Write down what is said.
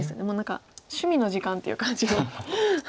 もう何か趣味の時間という感じが。